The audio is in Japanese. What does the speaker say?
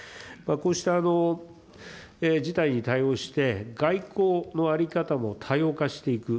こうした事態に対応して、外交の在り方も多様化していく。